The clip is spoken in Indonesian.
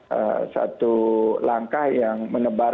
dan satu langkah yang menentukan